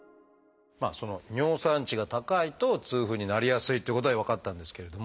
その尿酸値が高いと痛風になりやすいっていうことは分かったんですけれど